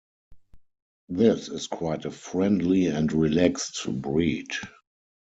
This is quite a friendly and relaxed breed.